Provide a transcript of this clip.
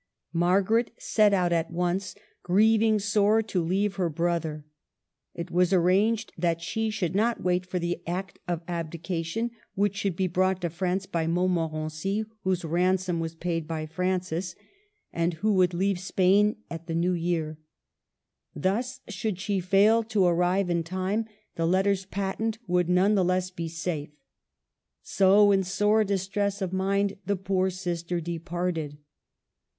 Margaret set out at once, grieving sore to leave her brother. It was arranged that she should not wait for the Act of Abdication, which should be brought to France by Mont morency, whose ransom was paid by Francis, and who would leave Spain at the new year. Thus, should she fail to arrive in time, the letters patent would none the less be safe. So in sore distress of mind the poor sister departed.